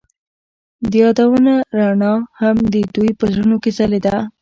د یادونه رڼا هم د دوی په زړونو کې ځلېده.